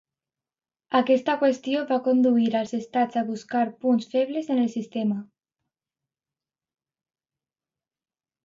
Aquesta qüestió va conduir als estats a buscar punts febles en el sistema.